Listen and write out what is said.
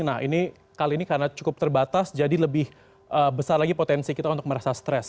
nah ini kali ini karena cukup terbatas jadi lebih besar lagi potensi kita untuk merasa stres